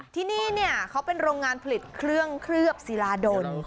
ที่นี่เขาเป็นโรงงานผลิตเครื่องเคลือบศิลาดล